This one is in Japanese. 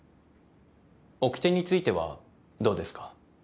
おきてについてはどうですか？